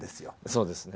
そうですね。